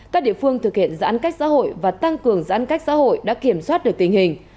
các địa phương thực hiện giãn cách xã hội và tăng cường giãn cách xã hội đã kiểm soát được tình hình